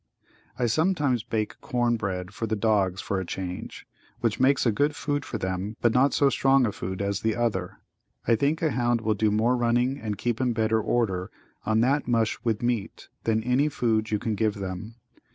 I sometimes bake corn bread for the dogs for a change, which makes a good food for them but not so strong a food as the other. I think a hound will do more running and keep in better order on that mush with meat than any food you can give them.